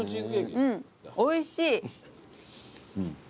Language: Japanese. うんおいしい！